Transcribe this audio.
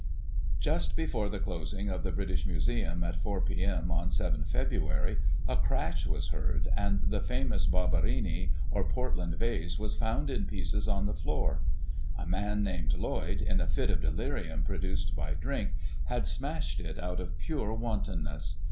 Just before the closing of the British Museum at 4 p.m. on 7 Feb., a crash was heard, and the famous Barberini, or Portland Vase, was found in pieces on the floor. A man, named Lloyd, in a fit of delirium produced by drink, had smashed it out of pure wantonness.